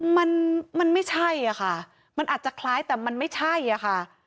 มันมันไม่ใช่อะค่ะมันอาจจะคล้ายแต่มันไม่ใช่อะค่ะ